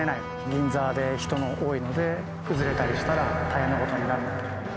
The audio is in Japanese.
銀座で人も多いので崩れたりしたら大変なことになる。